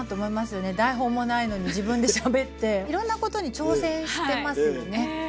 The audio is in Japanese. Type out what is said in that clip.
台本もないのに自分でしゃべっていろんなことに挑戦してますよね。